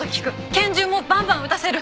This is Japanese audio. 拳銃もバンバン撃たせる。